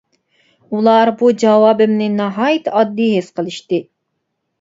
ئۇلار بۇ جاۋابىمنى ناھايىتى ئاددىي ھېس قىلىشتى.